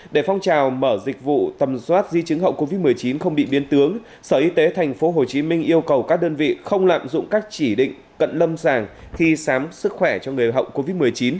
để phong trào mở dịch vụ tầm soát di chứng hậu covid một mươi chín không bị biến tướng sở y tế tp hcm yêu cầu các đơn vị không lạm dụng các chỉ định cận lâm sàng khi khám sức khỏe cho người hậu covid một mươi chín